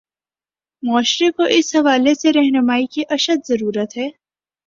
معاشرے کو اس حوالے سے راہنمائی کی اشد ضرورت ہے۔